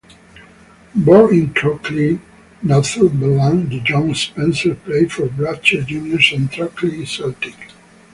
Born in Throckley, Northumberland, the young Spence played for Blutcher Juniors and Throckley Celtic.